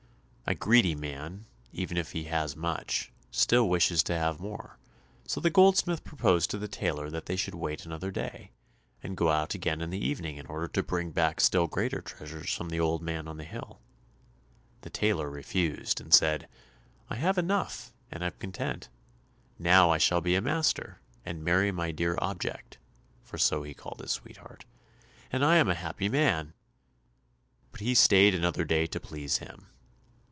A greedy man, even if he has much, still wishes to have more, so the goldsmith proposed to the tailor that they should wait another day, and go out again in the evening in order to bring back still greater treasures from the old man on the hill. The tailor refused, and said, "I have enough and am content; now I shall be a master, and marry my dear object (for so he called his sweetheart), and I am a happy man." But he stayed another day to please him.